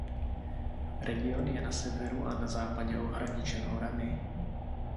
Region je na severu a na západě ohraničen horami.